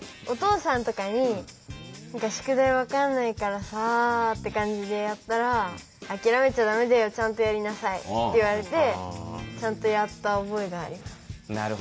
お父さんとかに「宿題分かんないからさあ」って感じでやったら「あきらめちゃダメだよ。ちゃんとやりなさい」って言われてちゃんとやった覚えがあります。